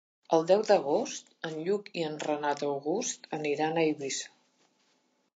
El deu d'agost en Lluc i en Renat August aniran a Eivissa.